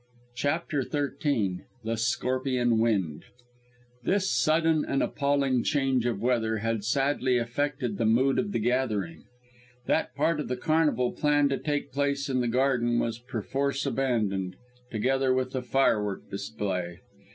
CHAPTER XIII THE SCORPION WIND This sudden and appalling change of weather had sadly affected the mood of the gathering. That part of the carnival planned to take place in the garden was perforce abandoned, together with the firework display.